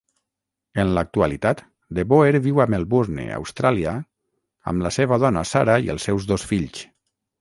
En l'actualitat, DeBoer viu a Melbourne, Austràlia, amb la seva dona Sarah i els seus dos fills.